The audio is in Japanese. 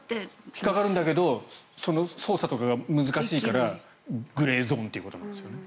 引っかかるんだけどその捜査とかが難しいからグレーゾーンということなんですよね。